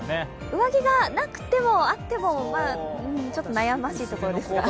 上着がなくても、あっても、ちょっと悩ましいところですか。